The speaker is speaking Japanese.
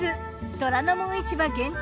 『虎ノ門市場』限定